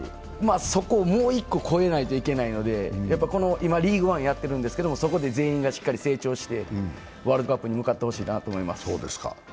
そこをもう一個超えないといけないので今ＬＥＡＧＵＥＯＮＥをやっているんですけどそこで全員が成長してワールドカップに向かってほしいなと思います。